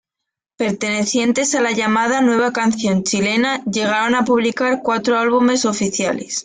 Pertenecientes a la llamada Nueva Canción Chilena, llegaron a publicar cuatro álbumes oficiales.